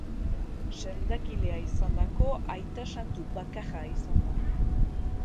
Sendagilea izandako aita santu bakarra izan da.